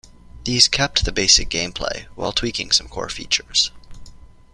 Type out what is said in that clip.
These kept the basic gameplay, while tweaking some core features.